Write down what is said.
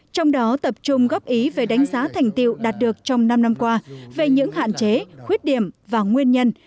trong đó tập trung góp ý về đánh giá thành tiêu đạt được trong năm năm qua về những hạn chế khuyết điểm và nguyên nhân